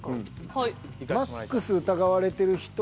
はい。